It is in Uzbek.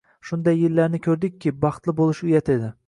Shunday yillarni ko`rdikki, baxtli bo`lish uyat edi